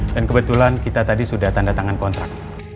dan kebetulan kita tadi sudah tanda tangan kontrak